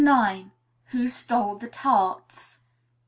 IX WHO STOLE THE TARTS?